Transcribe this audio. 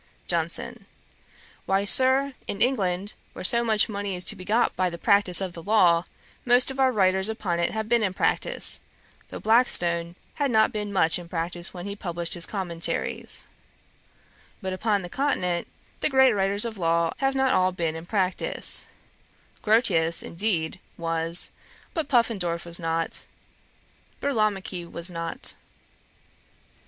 JOHNSON. 'Why, Sir, in England, where so much money is to be got by the practice of the law, most of our writers upon it have been in practice; though Blackstone had not been much in practice when he published his Commentaries. But upon the Continent, the great writers on law have not all been in practice: Grotius, indeed, was; but Puffendorf was not, Burlamaqui was not.'